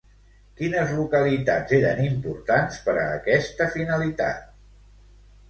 Quines localitats eren importants per a aquesta finalitat?